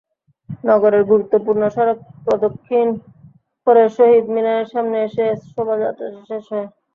নগরের গুরুত্বপূর্ণ সড়ক প্রদক্ষিণ করে শহীদ মিনারের সামনে এসে শোভাযাত্রাটি শেষ হয়।